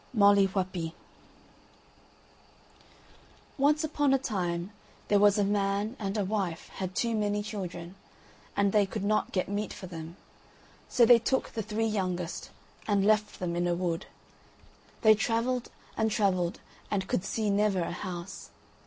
MOLLY WHUPPIE Once upon a time there was a man and a wife had too many children, and they could not get meat for them, so they took the three youngest and left them in a wood. They travelled and travelled and could see never a house.